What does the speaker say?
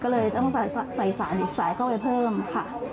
ก็เลยจะต้องใส่สายก็เอาไว้เพิ่มค่ะ